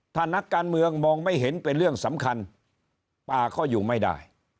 ถ้านักการเมืองมองไม่เห็นเป็นเรื่องสำคัญป่าก็อยู่ไม่ได้